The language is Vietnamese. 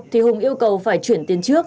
thì hùng yêu cầu phải chuyển tiền trước